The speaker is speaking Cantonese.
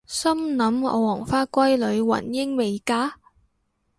心諗我黃花閨女雲英未嫁！？